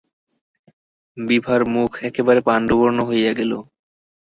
বিভার মুখ একেবারে পাণ্ডুবর্ণ হইয়া গেল।